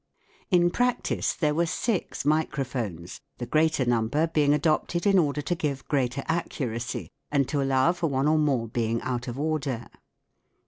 In practice there were six microphones, the greater number being adopted in order to give greater accuracy and to allow for one or more being out of order.